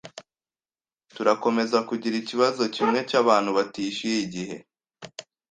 Turakomeza kugira ikibazo kimwe cyabantu batishyuye igihe